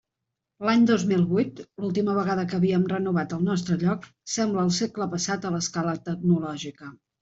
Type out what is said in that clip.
L'any dos mil vuit, l'última vegada que havíem renovat el nostre lloc, sembla el segle passat a escala tecnològica.